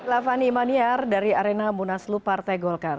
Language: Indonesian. lavani maniar dari arena munaslu partai golkar